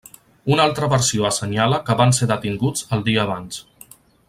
Una altra versió assenyala que van ser detinguts el dia abans.